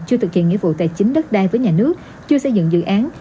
chưa thực hiện nghĩa vụ tài chính đất đai với nhà nước chưa xây dựng dự án